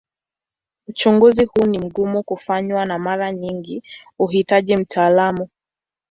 Uchunguzi huu ni mgumu kufanywa na mara nyingi huhitaji mtaalamu.